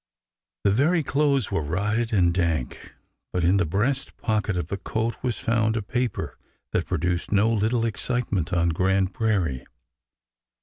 The very clothes were rotted and dank, but in the breast pocket of the coat was found a paper that produced no little excitement on Grand Prairie.